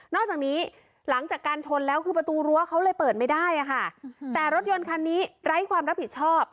อกจากนี้หลังจากการชนแล้วคือประตูรั้วเขาเลยเปิดไม่ได้อะค่ะแต่รถยนต์คันนี้ไร้ความรับผิดชอบ